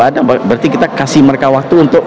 ada berarti kita kasih mereka waktu untuk